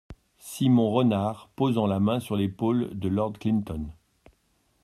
Simon Renard , posant la main sur l’épaule de Lord Clinton.